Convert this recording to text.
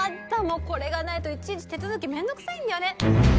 もうこれがないといちいち手続き面倒くさいんだよね。